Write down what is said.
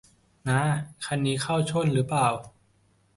น้า คันนี้เข้าช่นหรือเปล่า